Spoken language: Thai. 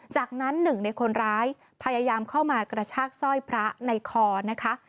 จากนั้นหนึ่งในคนร้ายพยายามเข้ามากระชากสร้อยพระในคอนะคะ